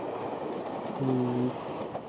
通心粉